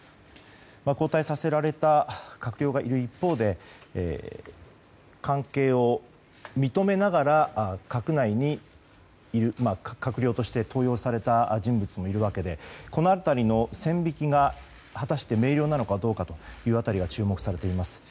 交代させられた閣僚がいる一方で関係を認めながら閣内に閣僚として登用された人物もいるわけでこの辺りの線引きが果たして明瞭なのかも注目されています。